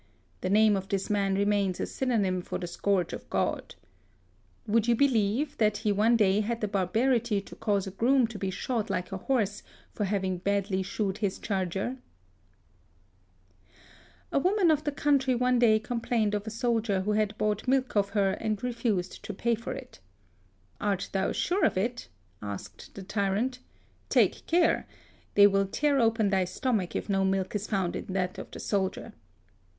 The name of this man remains a synonym for the Scourge of God. Would you believe it, that he one day had the barbarity to cause a groom to be shod like a horse for having badly shoed his charger ! THE SUEZ CANAL. 37 A woman of the country one day com plained of a soldier who had bought milk of her and refused to pay for it. " Art thou sure of it 1 " asked the tyrant. *' Take care ! they will tear open thy stomach if no milk is found in that of the soldier."